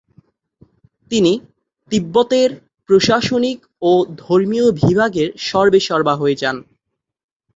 তিনি তিব্বতের প্রশাসনিক ও ধর্মীয় বিভাগের সর্বেসর্বা হয়ে যান।